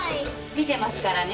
見てますからね？